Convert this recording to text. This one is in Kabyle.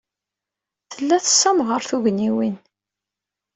Tella tessemɣar tugniwin.